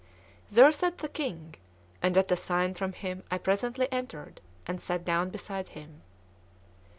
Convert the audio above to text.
There sat the king; and at a sign from him I presently entered, and sat down beside him.